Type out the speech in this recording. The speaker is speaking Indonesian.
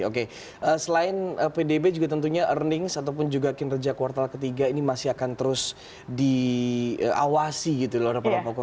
oke selain pdb juga tentunya earnings ataupun juga kinerja kuartal ketiga ini masih akan terus diawasi gitu loh oleh para tokoh